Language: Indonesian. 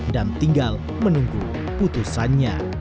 dan tinggal menunggu putusannya